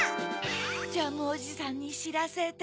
ジャムおじさんにしらせて。